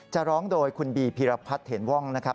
จะร้องโดยคุณบีพีรพัฒน์เถนว่องนะครับ